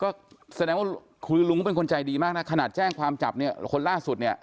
ก็แสดงว่าคุณลุงก็เป็นคนใจดีมากนะขนาดแจ้งความจับเนี่ยคนล่าสุดเนี่ย